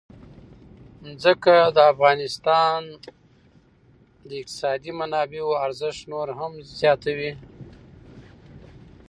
ځمکه د افغانستان د اقتصادي منابعو ارزښت نور هم زیاتوي.